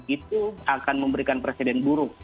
itu akan memberikan presiden buruk